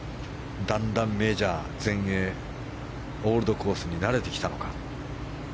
だんだんメジャー、全英オールドコースに慣れてきたのか。